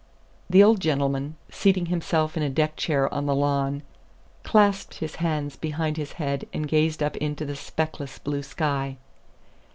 The old gentleman, seating himself in a deck chair on the lawn, clasped his hands behind his head and gazed up into the speckless blue sky.